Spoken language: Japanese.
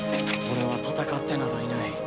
俺は戦ってなどいない。